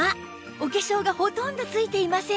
お化粧がほとんどついていません